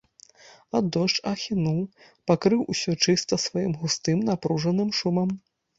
А дождж ахінуў, пакрыў усё чыста сваім густым, напружаным шумам.